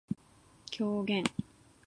狂言